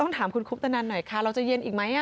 ถามคุณคุปตนันหน่อยค่ะเราจะเย็นอีกไหม